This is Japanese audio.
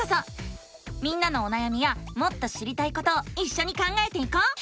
みんなのおなやみやもっと知りたいことをいっしょに考えていこう！